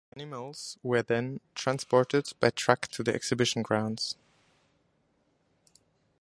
The animals were then transported by truck to the exhibition grounds.